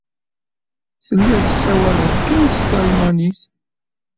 Telliḍ tessawaleḍ kan s talmanit.